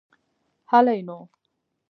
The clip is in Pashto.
هلئ نو.